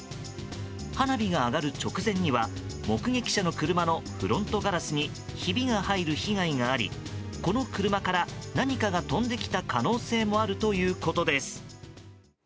花火が上がる直前には目撃者の車のフロントガラスにひびが入る被害がありこの車から何かが飛んできた可能性もあるということです。